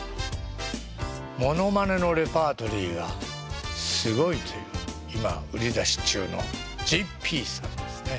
ものまねのレパートリーがすごいという今売り出し中のＪＰさんですね。